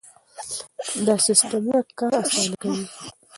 دا سیستمونه کار اسانه کوي.